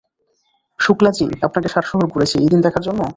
শুক্লা জী আপনাকে সারা শহর ঘুরাইছি, এই দিন দেখার জন্য?